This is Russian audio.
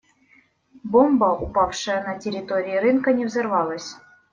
Бомба, упавшая на территории рынка, не взорвалась.